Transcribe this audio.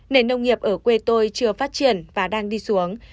nền nông nghiệp ở quê tôi chưa phát triển và đang đi xuống